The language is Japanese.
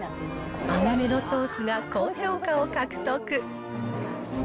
甘めのソースが高評価を獲得。